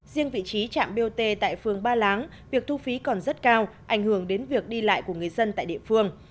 riêng vị trí trạm bot tại phường ba láng việc thu phí còn rất cao ảnh hưởng đến việc đi lại của người dân tại địa phương